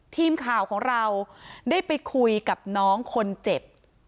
ทีมข่าวของเราได้ไปคุยกับน้องคนเจ็บ